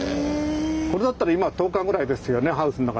これだったら今１０日ぐらいハウスの中。